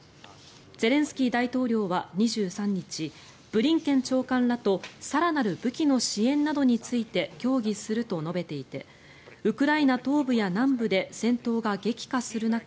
ゼレンスキー大統領は２３日ブリンケン長官らと更なる武器の支援などについて協議すると述べていてウクライナ東部や南部で戦闘が激化する中